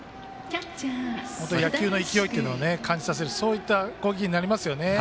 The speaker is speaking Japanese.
野球の勢いというのを感じさせるそういった投球になりますよね。